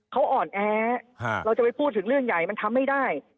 เขาอ่อนแอเราจะไปพูดถึงเรื่องใหญ่มันทำไม่ได้